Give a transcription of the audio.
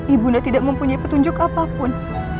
ibunda tidak mempunyai petunjuk apapun